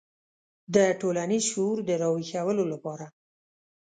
د ټولنیز شعور د راویښولو لپاره.